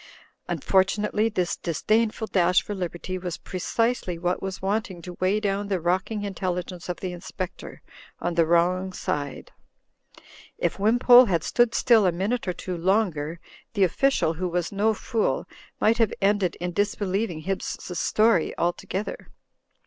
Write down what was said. Unfortunately this disdainful dash for liberty was precisely what was wanting to weigh down the rock ing intelligence of the Inspector on the wrong side. If Wimpole had stood still a minute or two longer, u,y,u.«u by Google THE SEVEN MOODS OF DORIAN 203 the official, who was no fool, might have ended in dis believing Hibbs's story altogether.